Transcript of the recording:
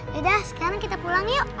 yaudah sekarang kita pulang yuk